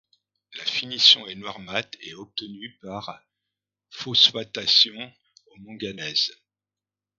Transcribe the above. La finition est noir mat et est obtenue par phosphatation au manganèse.